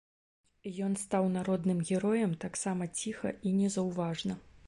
Ён стаў народным героем таксама ціха і незаўважна.